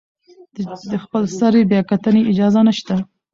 د خپلسرې بیاکتنې اجازه نشته.